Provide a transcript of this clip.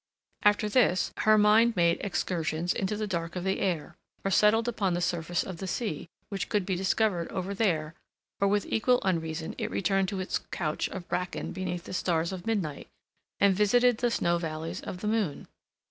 After this her mind made excursions into the dark of the air, or settled upon the surface of the sea, which could be discovered over there, or with equal unreason it returned to its couch of bracken beneath the stars of midnight, and visited the snow valleys of the moon.